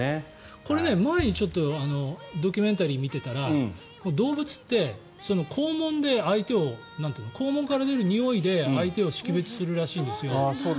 これ、前にドキュメンタリーを見ていたら動物って肛門で相手を肛門から出るにおいで相手を識別するらしいんですよ。